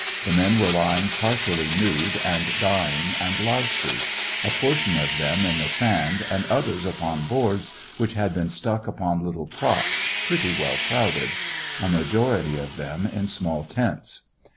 The men were lying partially nude, and dying and lousy ; a portion of them in the sand, and others upon boards which had been stuck upon little props, pretty well crowded; a majority of them in small tents.